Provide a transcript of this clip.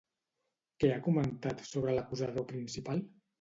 Què ha comentat sobre l'acusador principal?